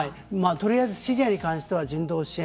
とりあえずシリアに関しては人道支援。